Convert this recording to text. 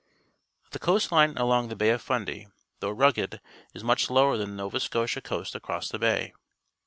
— The coast line along the Bay of Fundy, though rugged, is much lower than the Nova Scotia coast across the bay.